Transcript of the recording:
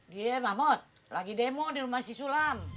dia mahmud lagi demo di rumah si sulam